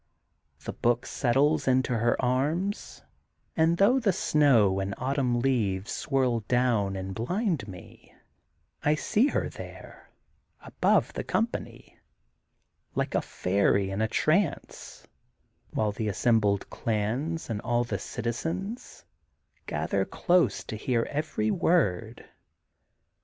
The book settles into her arms and, though the snow and autumn leaves swirl down and blind me, I see her there above the eompany, like a fairy in a trance, while the assembled clans and all the citizens gather close to hear every word.